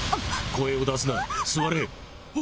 声を出すな座れ。